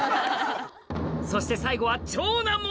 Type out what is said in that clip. そして最後は超難問！